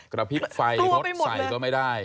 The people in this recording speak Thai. กระพริบไฟรถใส่ก็ไม่ได้